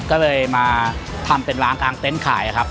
ก็เลยมาทำเป็นร้านกลางเต็นต์ขายครับ